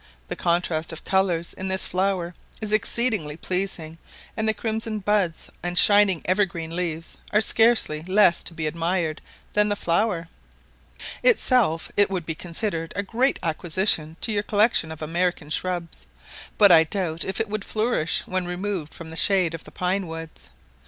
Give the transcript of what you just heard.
The contrast of colours in this flower is exceedingly pleasing, and the crimson buds and shining ever green leaves are scarcely less to be admired than the flower; itself it would be considered a great acquisition to your collection of American shrubs, but I doubt if it would flourish when removed from the shade of the pine woods.